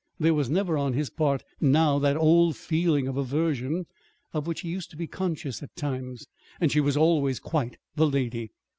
There was never on his part now that old feeling of aversion, of which he used to be conscious at times. And she was always quite the lady.